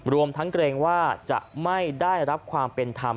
รวมทั้งเกรงว่าจะไม่ได้รับความเป็นธรรม